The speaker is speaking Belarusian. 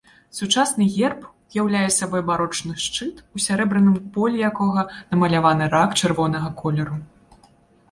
Сучасны герб уяўляе сабой барочны шчыт, у сярэбраным полі якога намаляваны рак чырвонага колеру.